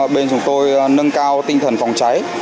bên chúng tôi nâng cao tinh thần phòng cháy